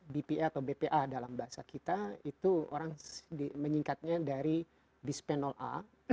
bpa atau bpa dalam bahasa kita itu orang menyingkatnya dari bisphenol a